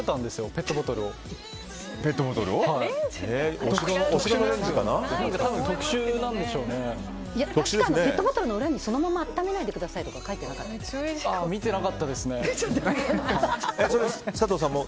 ペットボトルの裏にそのまま温めないでくださいとか見てなかったですね。